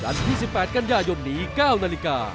จันทร์๒๘กันยายมนี้๙นาฬิกา